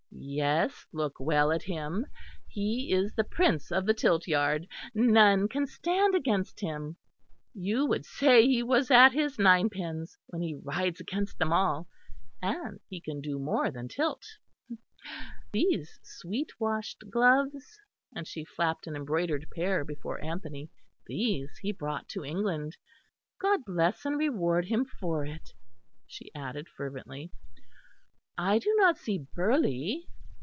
Yes, look well at him. He is the prince of the tilt yard; none can stand against him. You would say he was at his nine pins, when he rides against them all.... And he can do more than tilt. These sweet washed gloves" and she flapped an embroidered pair before Anthony "these he brought to England. God bless and reward him for it!" she added fervently.... "I do not see Burghley.